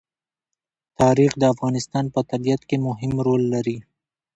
تاریخ د افغانستان په طبیعت کې مهم رول لري.